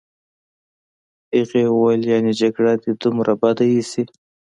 هغې وویل: یعني جګړه دي دومره بده ایسي.